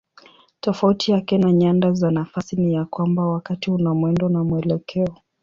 Tofauti yake na nyanda za nafasi ni ya kwamba wakati una mwendo na mwelekeo.